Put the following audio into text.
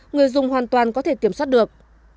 người dùng hoàn toàn có thể kiểm soát được